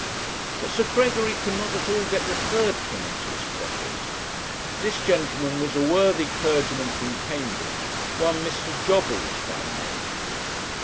But Sir Gregory could not at all get the third king into his pocket. This gentleman was a worthy clergyman from Cambridge, one Mr. Jobbles by name.